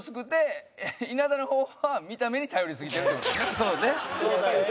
そうね。